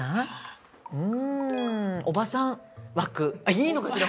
いいのかしら？